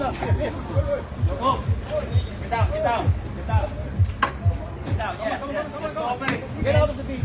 di kaki di kaki